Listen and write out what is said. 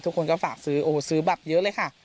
ทุกคนก็ฝากซื้อโอ้โหซื้อแบบเยอะเลยค่ะ